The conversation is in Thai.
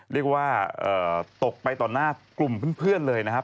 เรียกว่าตกไปต่อหน้ากลุ่มเพื่อนเลยนะครับ